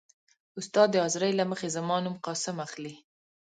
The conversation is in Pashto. . استاد د حاضرۍ له مخې زما نوم «قاسم» اخلي.